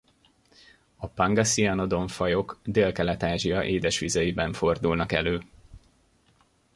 A Pangasianodon-fajok Délkelet-Ázsia édesvizeiben fordulnak elő.